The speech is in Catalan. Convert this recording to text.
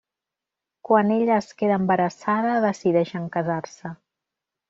Quan ella es queda embarassada, decideixen casar-se.